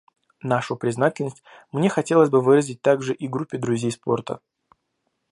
Нашу признательность мне хотелось бы выразить также и Группе друзей спорта.